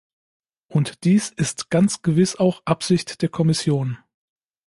Und dies ist ganz gewiss auch Absicht der Kommission.